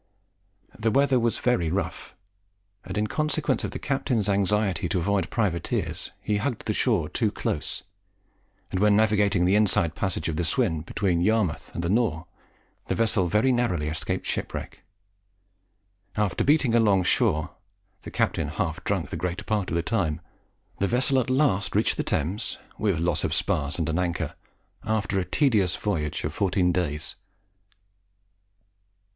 The weather was very rough, and in consequence of the captain's anxiety to avoid privateers he hugged the shore too close, and when navigating the inside passage of the Swin, between Yarmouth and the Nore, the vessel very narrowly escaped shipwreck. After beating about along shore, the captain half drunk the greater part of the time, the vessel at last reached the Thames with loss of spars and an anchor, after a tedious voyage of fourteen days.